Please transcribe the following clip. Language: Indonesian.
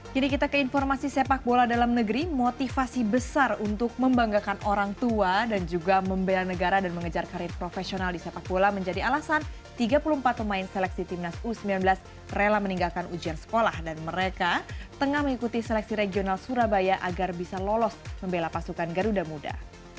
kini kita ke informasi sepak bola dalam negeri motivasi besar untuk membanggakan orang tua dan juga membela negara dan mengejar karir profesional di sepak bola menjadi alasan tiga puluh empat pemain seleksi timnas u sembilan belas rela meninggalkan ujian sekolah dan mereka tengah mengikuti seleksi regional surabaya agar bisa lolos membela pasukan garuda muda